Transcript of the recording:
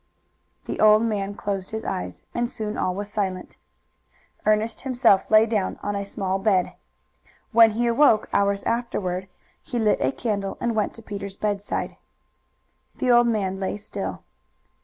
The old man closed his eyes, and soon all was silent. Ernest himself lay down on a small bed. When he awoke, hours afterward, he lit a candle and went to Peter's bedside. The old man lay still.